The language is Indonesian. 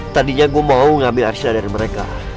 tadinya gue mau ngambil arsyah dari mereka